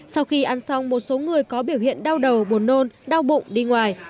sau khi ăn xong một số người có biểu hiện đau đầu buồn nôn đau bụng đi ngoài